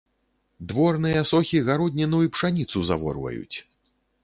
Дворныя сохі гародніну і пшаніцу заворваюць!